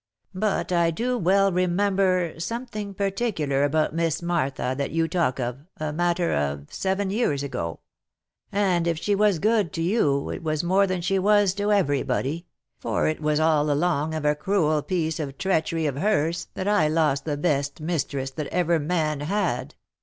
But I do well remember something particular about Miss Martha that you talk of, a matter of seven years ago ; and if she was good to you, it was more than she was to every body, for it was all along of a cruel piece of treachery of hers, that I lost the best mistress that ever man had.